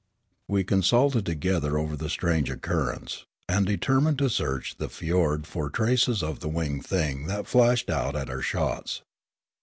We consulted together over the strange occurrence, and determined to search the fiord for traces of the winged thing that flashed out at our shots.